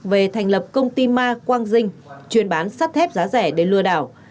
về thành lập công ty ma quang dinh chuyên bán sắt thép giá rẻ để lừa đảo